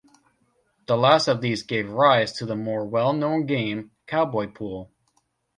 The last of these gave rise to the more well-known game cowboy pool.